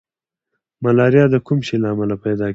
ملاریا د کوم شي له امله پیدا کیږي